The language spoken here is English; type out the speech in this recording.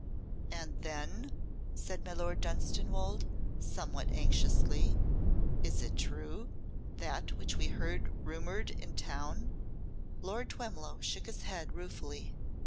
"And then?" said my Lord Dunstanwolde, somewhat anxiously, "is it true that which we heard rumoured in town " Lord Twemlow shook his head ruefully.